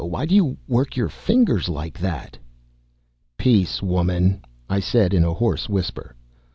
Why do you work your fingers like that?" "Peace, woman!" I said, in a hoarse whisper.